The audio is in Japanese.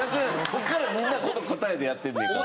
ここからみんなこの答えでやってんねんから。